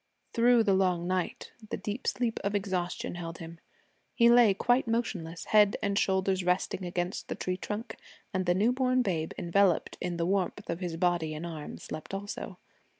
Through the long night the deep sleep of exhaustion held him. He lay quite motionless, head and shoulders resting against the tree trunk, and the new born babe enveloped in the warmth of his body and arms slept also.